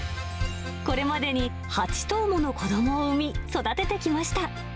これまでに８頭もの子どもを産み、育ててきました。